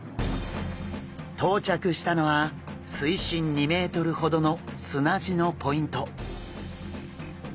到着したのは水深２ｍほどの砂地のポイント。